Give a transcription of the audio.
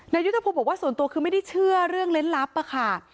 ยุทธพงศ์บอกว่าส่วนตัวคือไม่ได้เชื่อเรื่องเล่นลับอะค่ะ